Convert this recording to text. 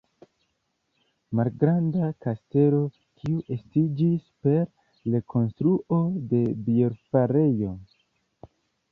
Malgranda kastelo, kiu estiĝis per rekonstruo de bierfarejo.